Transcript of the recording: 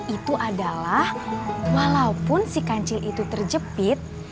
itu adalah walaupun si kancil itu terjepit